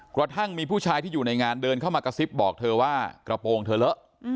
กระทั่งมีผู้ชายที่อยู่ในงานเดินเข้ามากระซิบบอกเธอว่ากระโปรงเธอเลอะ